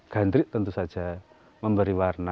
gandrik tentu saja memberi warna